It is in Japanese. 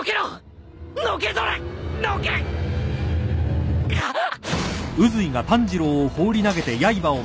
のけぞれ！のけがっ！